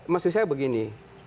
maksud saya begini